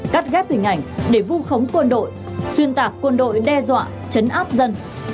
cắt ghép hình ảnh để vu khống quân đội xuyên tạc quân đội đe dọa chấn áp dân